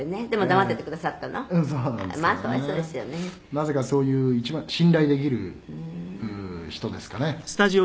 「なぜかそういう一番信頼できる人ですかね」